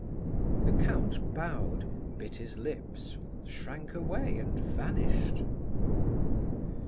The count bowed, bit his lips, shrank away, and vanished.